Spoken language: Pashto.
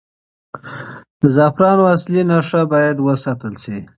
د زعفرانو اصلي نښه باید وساتل شي.